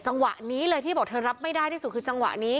จังหวะนี้เลยที่บอกเธอรับไม่ได้ที่สุดคือจังหวะนี้